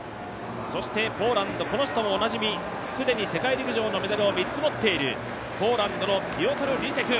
そしてポーランド、この人もおなじみ、既に世界陸上のメダルを３つ持っているポーランドのピオトル・リセク。